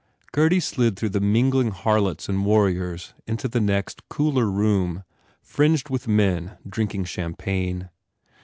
Gurdy slid through the mingling harlots and warriors into the next, cooler room, fringed with men drinking champagne.